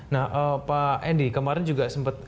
nah pak edi kemarin juga sempat